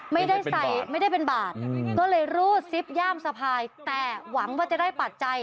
ไม่ได้ใส่ไม่ได้เป็นบาทก็เลยรูดซิปย่ามสะพายแต่หวังว่าจะได้ปัจจัย